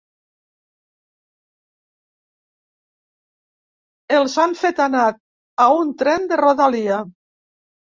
Els han fet anar a un tren de rodalia.